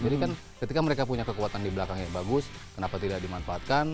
jadi kan ketika mereka punya kekuatan di belakangnya yang bagus kenapa tidak dimanfaatkan